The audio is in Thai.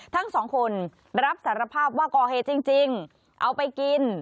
ทั้งสองคนรับสารภาพว่าก่อเหตุจริงเอาไปกิน